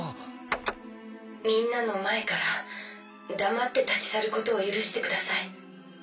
みんなの前から黙って立ち去ることを許してください